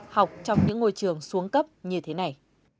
học trong những ngôi trường xuống cấp như thế này